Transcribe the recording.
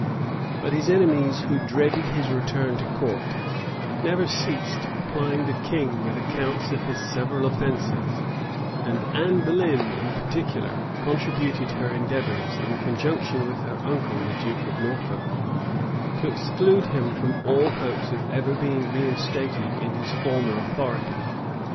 * Cavendish, p. 41. Strype, vol. i. p. 114, 115. App. No. 31, etc. Stowe, p. 547. But his enemies, who dreaded his return to court, never ceased plying the king with accounts of his several offences; and Anne Boleyn, in particular, contributed her endeavors, in conjunction with her uncle, the duke of Norfolk, to exclude him from all hopes of ever being reinstated in his former authority.